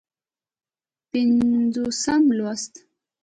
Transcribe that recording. پينځوسم لوست